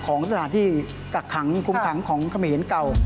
ของสถานที่กักขังคุ้มขังของเขมรเก่า